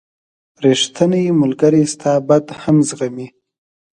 • ریښتینی ملګری ستا بد هم زغمي.